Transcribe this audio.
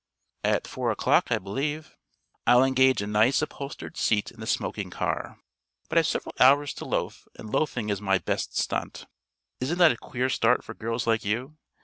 "At four o'clock, I believe." "I'll engage a nice upholstered seat in the smoking car. But I've several hours to loaf, and loafing is my best stunt. Isn't this a queer start for girls like you?"